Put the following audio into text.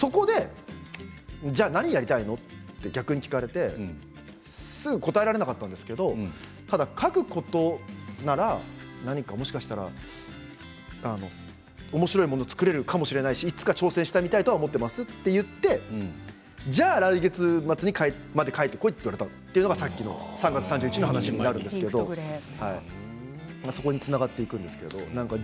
じゃあ何をやりたいの？って逆に聞かれてすぐ応えられなかったんですけど書くことなら、もしかしたらおもしろいものを作れるかもしれないしいつか挑戦したいと思っていますと言ってじゃあ、来月末まで書いてこいって言われたのがさっきの３月３１日の話になるんですけどそこにつながるんです。